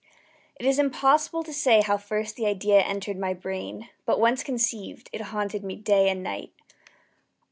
It is impossible to say how first the idea entered my brain; but once conceived, it haunted me day and night.